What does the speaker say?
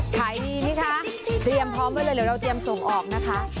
ขายดีสิคะเตรียมพร้อมไว้เลยเดี๋ยวเราเตรียมส่งออกนะคะ